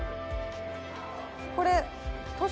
これ。